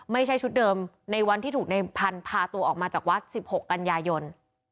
ไม่ใช่ชุดเดิมในวันที่ถูกในพันธุ์พาตัวออกมาจากวัด๑๖กันยายน